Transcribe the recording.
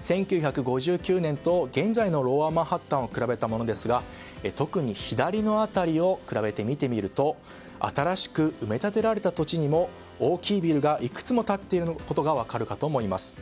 １９５９年と現在のロウアーマンハッタンを比べたものですが特に左の辺りを比べて見てみると新しく埋め立てられた土地にも大きいビルがいくつも建っていることが分かるかと思います。